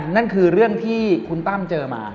นั่นคือเรื่องที่คุณตั้มเจอมา